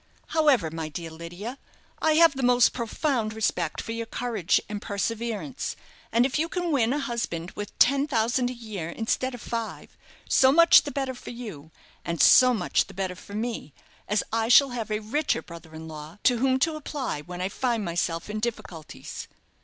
However, my dear Lydia, I have the most profound respect for your courage and perseverance; and if you can win a husband with ten thousand a year instead of five, so much the better for you, and so much the better for me, as I shall have a richer brother in law to whom to apply when I find myself in difficulties."